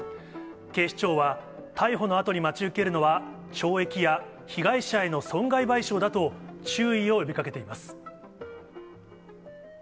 警視庁は、逮捕のあとに待ち受けるのは、懲役や被害者への損害賠償だと、注意を呼びかけています。